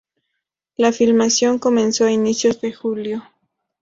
La filmación comenzó a inicios de julio.